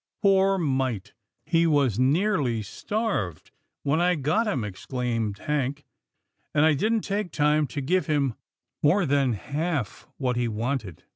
" Poor mite, he was nearly starved when I got him," exclaimed Hank, " and I didn't take time to give him more than half what he wanted."